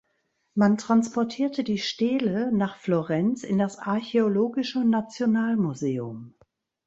Man transportierte die Stele nach Florenz in das Archäologische Nationalmuseum.